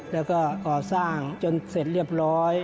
แล้วก็ก่อสร้างจนเสร็จเรียบร้อย